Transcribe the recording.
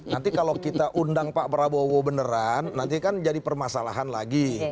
nanti kalau kita undang pak prabowo beneran nanti kan jadi permasalahan lagi